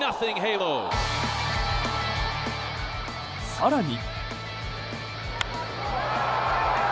更に。